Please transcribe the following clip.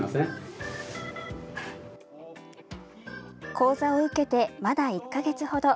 講座を受けてまだ１か月ほど。